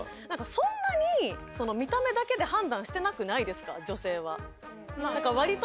そんなに見た目だけで判断してなくないですか女性は。